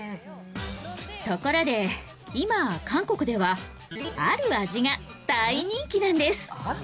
ところで今韓国ではある味が大人気なんです。